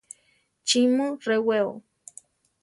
¿Chí mu rewéo?